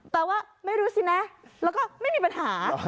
แต่ว่าไม่รู้สินะแล้วก็ไม่มีปัญหา